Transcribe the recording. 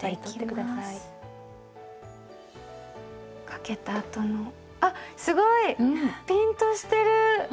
かけたあとのあすごい！ピンとしてる！